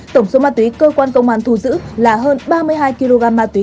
tổng số ma túy cơ quan công an thu giữ là hơn ba mươi hai kg ma túy